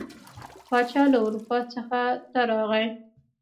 پاچا له اروپا څخه ته راغی.